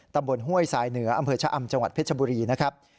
ห้วยทรายเหนืออำเภอชะอำจังหวัดเพชรบุรีนะครับ